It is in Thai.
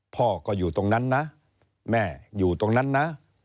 พ่อก็อยู่ตรงนั้นนะแม่อยู่ตรงนั้นนะ